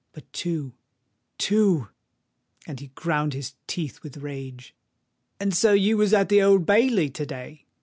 But two—two——" And he ground his teeth with rage. "And so you was at the Old Bailey to day?"